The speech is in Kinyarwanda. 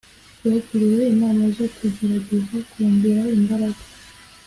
bagiriwe inama zo kugerageza kongera imbaraga